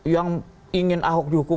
yang ingin ahok dihukum